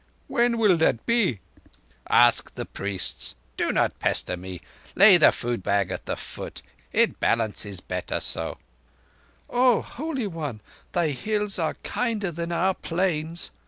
"When will that be?" "Ask the priests. Do not pester me. Lay the food bag at the foot, it balances better so." "Oh, Holy One, thy Hills are kinder than our Plains!"